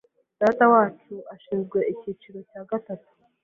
Datawacu ashinzwe icyiciro cya gatatu.